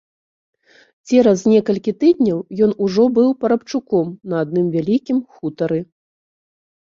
Цераз некалькі тыдняў ён ужо быў парабчуком на адным вялікім хутары.